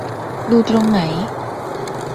ดูตรงไหน ?